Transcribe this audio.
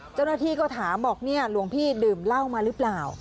เจ้าหน้าที่ก็ถามบอกเนี่ยหลวงพี่ดื่มเหล้ามาหรือเปล่า